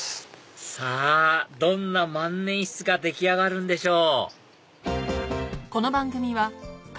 さぁどんな万年筆が出来上がるんでしょう？